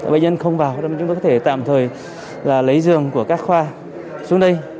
bệnh nhân không vào chúng tôi có thể tạm thời là lấy giường của các khoa xuống đây